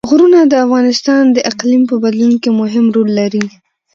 غرونه د افغانستان د اقلیم په بدلون کې مهم رول لري.